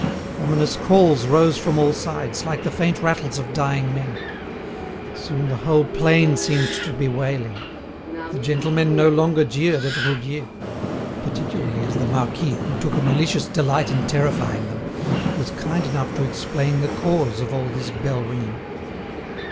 Ominous calls rose from all sides, like the faint rattles of dying men. Soon the whole plain seemed to be wailing. The gentlemen no longer jeered at Roudier; particularly as the marquis, who took a malicious delight in terrifying them, was kind enough to explain the cause of all this bell ringing.